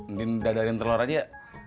ngin dadarin telur aja ya